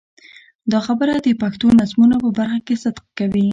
دا خبره د پښتو نظمونو په برخه کې صدق کوي.